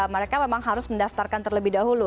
mereka memang harus mendaftarkan terlebih dahulu